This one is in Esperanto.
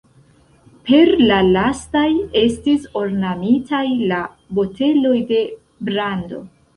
Per la lastaj estis ornamitaj la boteloj de brando.